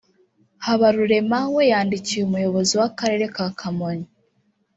Habarurema we yandikiye umuyobozi w’Akarere ka Kamonyi